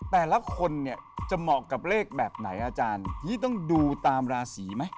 แล้วคนจะเหมาะกับเลขแบบไหนอาจารย์ที่ต้องดูตามราศริไหม